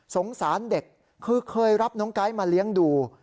สงสารเด็กคือเคยรับน้องไก๊มาเลี้ยงดู